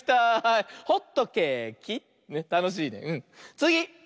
つぎ！